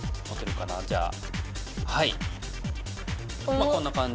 まあこんなかんじ。